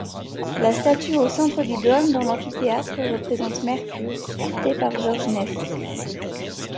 La statue au centre du dôme dans l'amphithéâtre représentent Mercure, sculpté par George Ness.